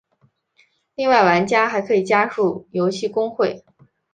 另外玩家还可以加入游戏公会。